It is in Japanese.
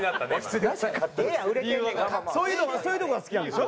そういうそういうとこが好きなんでしょ？